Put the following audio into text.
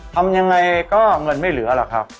ทำยังไงก็เงินไม่เหลือหรอกครับ